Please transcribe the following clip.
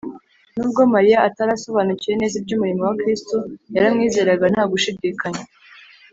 Nubwo Mariya atari asobanukiwe neza iby’umurimo wa Kristo, yaramwizeraga nta gushidikanya